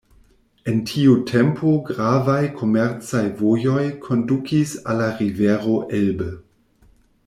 En tiu tempo gravaj komercaj vojoj kondukis al la rivero Elbe.